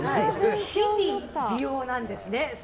日々、美容なんですね。